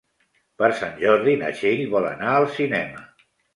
Per Sant Jordi na Txell vol anar al cinema.